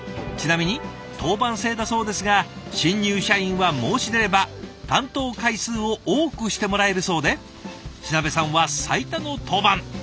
ちなみに当番制だそうですが新入社員は申し出れば担当回数を多くしてもらえるそうで品部さんは最多の当番。